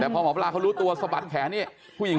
กระคอง